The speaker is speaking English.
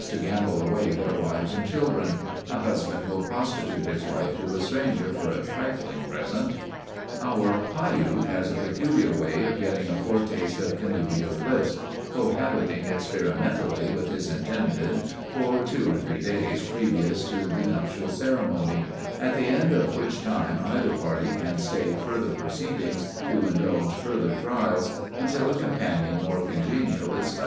to gamble away their wives and children.... A husband will prostitute his wife to a stranger for a trifling present." (Ibid. ch. 4, Vol. 1.) "Our Piute has a peculiar way of getting a foretaste of connubial bliss—cohabiting experimentally with his intended for two or three days previous to the nuptial ceremony, at the end of which time either party can stay further proceedings to indulge further trials until a companion more congenial is found."